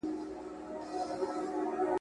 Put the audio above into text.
خپلوي د تاریخ تر ټولو لوی دروغ ده